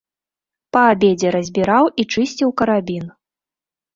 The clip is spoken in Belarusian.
Па абедзе разбіраў і чысціў карабін.